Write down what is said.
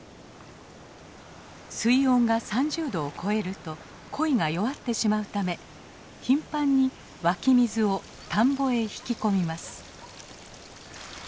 水温が３０度を超えるとコイが弱ってしまうため頻繁に湧き水を田んぼへ引き込みます。